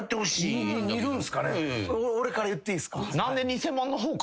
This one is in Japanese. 俺から言っていいっすか？